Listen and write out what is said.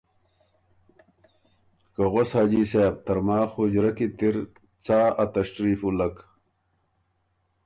که ”غؤس حاجی صاب! ترماخ حجرۀ کی ت اِر څا ا تشریف وُلّک؟